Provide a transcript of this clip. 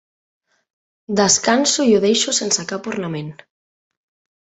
Descanso i ho deixo sense cap ornament.